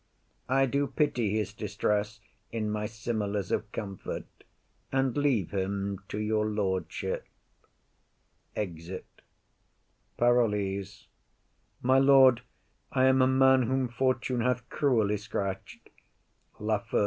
I do pity his distress in my similes of comfort, and leave him to your lordship. [Exit.] PAROLLES. My lord, I am a man whom Fortune hath cruelly scratch'd. LAFEW.